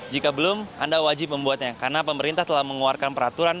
jika belum anda wajib membuatnya karena pemerintah telah mengeluarkan peraturan